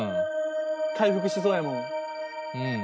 回復しそうやもん。